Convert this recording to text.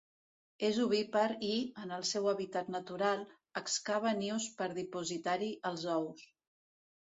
És ovípar i, en el seu hàbitat natural, excava nius per dipositar-hi els ous.